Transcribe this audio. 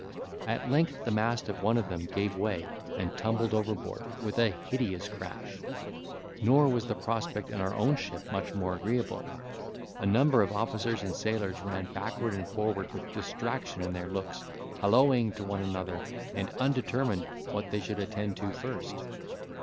At length the mast of one of them gave way, and tumbled overboard with a hideous crash! Nor was the prospect in our own ship much more agreeable; a number of officers and sailors ran backward and forward with distraction in their looks, halloaing to one another, and undetermined what they should attend to first.